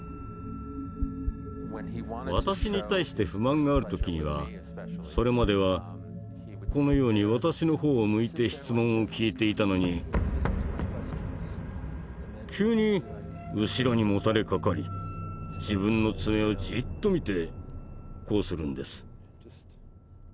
私に対して不満がある時にはそれまではこのように私の方を向いて質問を聞いていたのに急に後ろにもたれかかり自分の爪をじっと見てこうするんです。